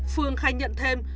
phương khai nhận thêm